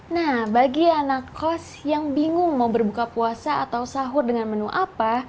nah bagi anak kos yang bingung mau berbuka puasa atau sahur dengan menu apa